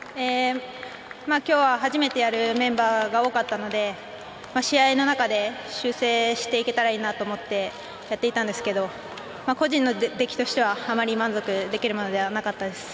今日は初めてやるメンバーが多かったので試合の中で修正していけたらいいなと思ってやっていたんですけど個人のできとしてはあまり満足できるものではなかったです。